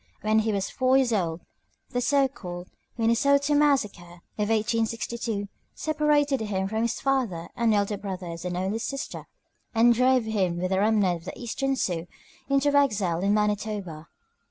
When he was four years old, the so called "Minnesota massacre" of 1862 separated him from his father and elder brothers and only sister, and drove him with a remnant of the eastern Sioux into exile in Manitoba.